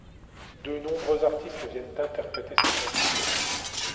De nombreux artistes viennent interpréter ses chansons.